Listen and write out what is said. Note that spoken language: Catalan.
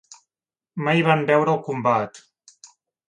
Mai van veure el combat.